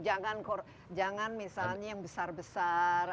jangan misalnya yang besar besar